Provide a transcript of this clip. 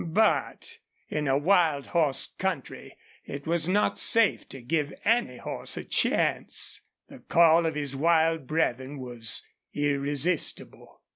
But in a wild horse country it was not safe to give any horse a chance. The call of his wild brethren was irresistible.